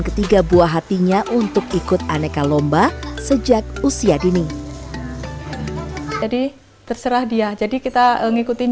ketiga buah hatinya untuk ikut aneka lomba sejak usia dini jadi terserah dia jadi kita ngikutin